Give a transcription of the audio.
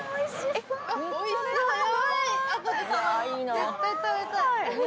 ・絶対食べたい。